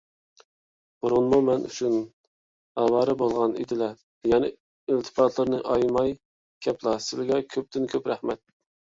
بۇرۇنمۇ مەن ئۈچۈن ئاۋارە بولغان ئىدىلە، يەنە ئىلتىپاتلىرىنى ئايىماي كەپلا. سىلىگە كۆپتىن - كۆپ رەھمەت!